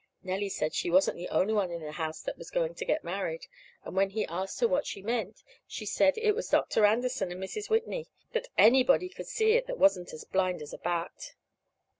Nellie said she wasn't the only one in the house that was going to get married. And when he asked her what she meant, she said it was Dr. Anderson and Mrs. Whitney. That anybody could see it that wasn't as blind as a bat.